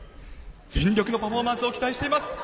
全力のパフォーマンスを期待しています。